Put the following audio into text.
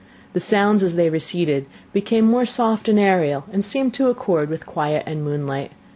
The sounds, as they receded, became more soft and aerial, and seemed to accord with quiet and moonlight.